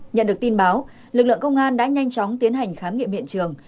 nhận được tin báo lực lượng công an đã nhanh chóng tiến hành khám nghiệm hiện trường